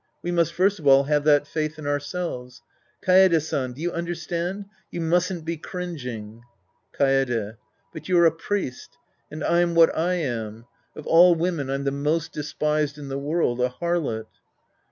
We must first of all have that faith in ourselves. Kaede San. Do you understand ? You mustn't be cringing. Kaede. But you're a priest. And I'm what I am. Of all women I'm the most despised in the world, a harlot.